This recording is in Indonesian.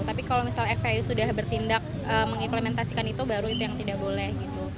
tapi kalau misalnya fpi sudah bertindak mengimplementasikan itu baru itu yang tidak boleh